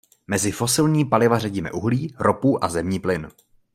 Mezi fosilní paliva řadíme uhlí, ropu a zemní plyn.